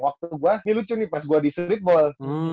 waktu gue sih lucu nih pas gue di streetball